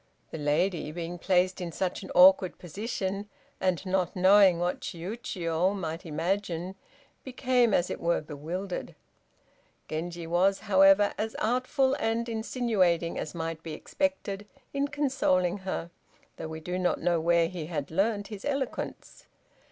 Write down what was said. The lady being placed in such an awkward position, and not knowing what Chiûjiô might imagine, became, as it were, bewildered. Genji was, however, as artful and insinuating as might be expected in consoling her, though we do not know where he had learnt his eloquence.